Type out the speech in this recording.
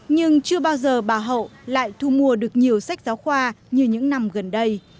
nhưng chưa bao giờ bà hậu lại thu mua được nhiều sách giáo khoa như những năm gần đây